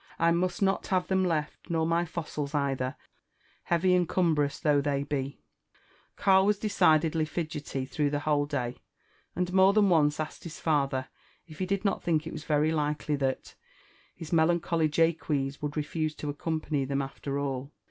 I ttrast not have them left*^nor my fossils either; beavy and cumlMrons though they be« " Karl was decidedly fixity through the whole day, and more than OBca asked bis bther if he did not ttiink it very likely t^at ^* his me kncholy lavfoes" would refuse to accompany them after all.